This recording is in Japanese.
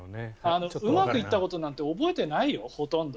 うまくいったことなんて覚えてないよ、ほとんど。